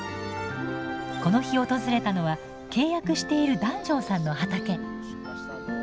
この日訪れたのは契約している檀上さんの畑。